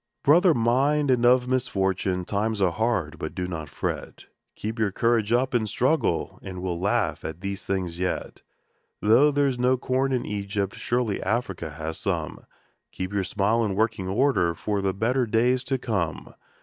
Brother mine, and of misfortune ! times are hard, but do not fret, Keep your courage up and struggle, and we'll laugh at these things yet. Though there is no corn in Egypt, surely Africa has some Keep your smile in working order for the better days to come